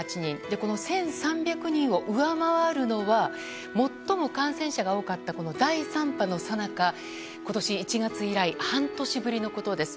この１３００人を上回るのは最も感染者が多かった第３波のさなか、今年１月以来半年ぶりのことです。